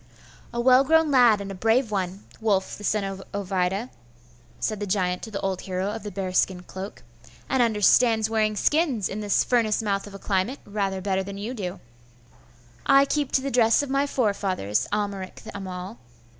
'A well grown lad and a brave one, Wulf the son of Ovida,' said the giant to the old hero of the bearskin cloak; 'and understands wearing skins, in this furnace mouth of a climate, rather better than you do.' 'I keep to the dress of my forefathers, Amalric the Amal.